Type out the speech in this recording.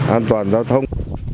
an toàn giao thông